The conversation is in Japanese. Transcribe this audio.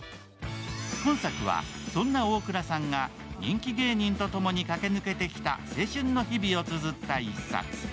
今作は、そんなオークラさんが人気芸人と共に駆け抜けてきた青春の日々をつづった一冊。